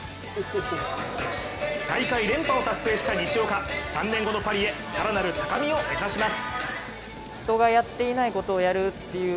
大会連覇を達成した西岡、３年後のパリへ更なる高みを目指します。